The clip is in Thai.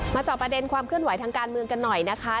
จอบประเด็นความเคลื่อนไหวทางการเมืองกันหน่อยนะคะ